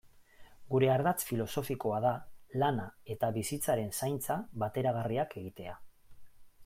Gure ardatz filosofikoa da lana eta bizitzaren zaintza bateragarriak egitea.